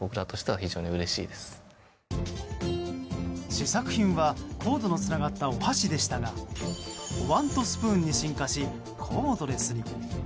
試作品はコードのつながったお箸でしたがお椀とスプーンに進化しコードレスに。